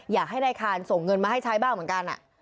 อยากให้นายคานส่งเงินมาให้ใช้บ้างเหมือนกัน